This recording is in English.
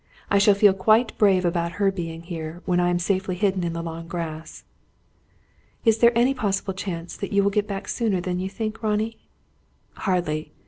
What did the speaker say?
I shall feel quite brave about her being here, when I am safely hidden in the long grass!" "Is there any possible chance that you will get back sooner than you think, Ronnie?" "Hardly.